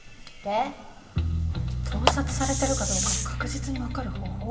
盗撮されてるかどうか確実に分かる方法？